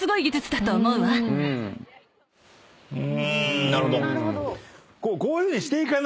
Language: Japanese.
うーんなるほど。